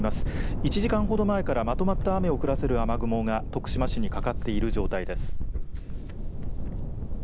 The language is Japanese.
１時間ほど前からまとまった雨を降らせる雨雲が徳島市にかかっている状態です。